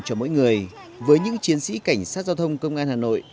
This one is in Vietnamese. cho mỗi người với những chiến sĩ cảnh sát giao thông công an hà nội